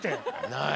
ない？